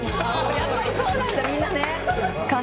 やっぱりそうなんだ、みんなね。